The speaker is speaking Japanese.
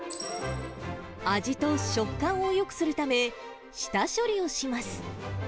味と食感をよくするため、下処理をします。